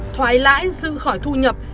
thoái lãi dự khỏi thu nhập